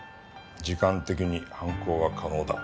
時間的に犯行は可能だ。